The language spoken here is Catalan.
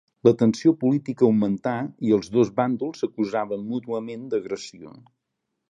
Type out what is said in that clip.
La tensió política augmentà i els dos bàndols s'acusaven mútuament d'agressió.